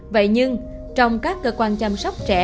vậy nhưng trong các cơ quan chăm sóc trẻ